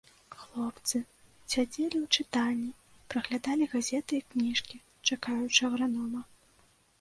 Хлопцы сядзелі ў чытальні, праглядалі газеты і кніжкі, чакаючы агранома.